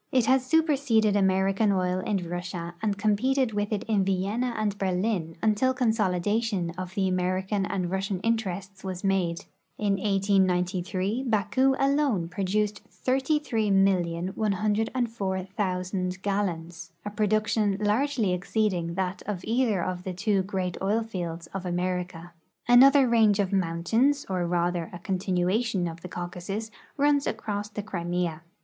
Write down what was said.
It has superseded American oil in Russia and competed with it in Vienna and Berlin until consolidation of the American and Russian interests was made. In 1893 Baku alone produced 33,104,000 gallons, a production largeh^ exceeding that of either of the two great oil fields of America. Another range of mountains, or rather a continuation of tlie Caucasus, runs across the Crimea.